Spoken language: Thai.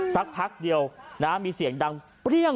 สักพักเดียวมีเสียงดังเปรี้ยง